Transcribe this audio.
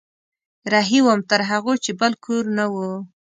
رهي وم تر هغو چې بل کور نه و